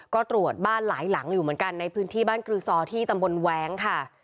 ก็ตรวจบ้านหลายหลังอยู่เหมือนกันในพื้นที่บ้านกรือซอที่ตำบลแว้งค่ะ